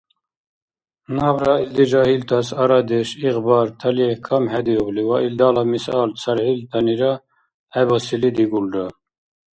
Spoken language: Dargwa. Набра илди жагьилтас арадеш, игъбар, талихӀ камхӀедиубли ва илдала мисал цархӀилтанира гӀебасили дигулра.